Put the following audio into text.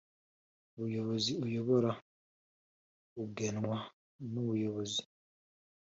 Bayobozi ayobora ugenwa n Umuyobozi